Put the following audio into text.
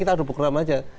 kita aduh program aja